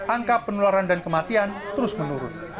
angka penularan dan kematian terus menurun